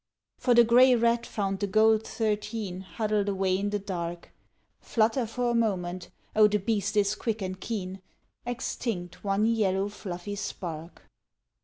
For the grey rat found the gold thirteen Huddled away in the dark, Flutter for a moment, oh the beast is quick and keen, Extinct one yellow fluffy spark.